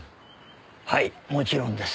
はいもちろんです。